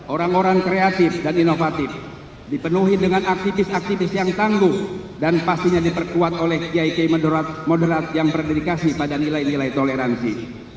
orang orang kreatif dan inovatif dipenuhi dengan aktivis aktivis yang tangguh dan pastinya diperkuat oleh kiai kiai moderat yang berdedikasi pada nilai nilai toleransi